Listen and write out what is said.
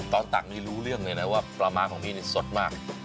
ตักนี่รู้เรื่องเลยนะว่าปลาม้าของพี่นี่สดมาก